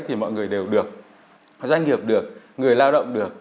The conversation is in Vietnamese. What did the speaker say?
thì mọi người đều được doanh nghiệp được người lao động được